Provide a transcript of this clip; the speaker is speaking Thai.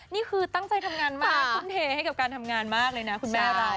นี่คือตั้งใจทำงานมากทุ่มเทให้กับการทำงานมากเลยนะคุณแม่เรา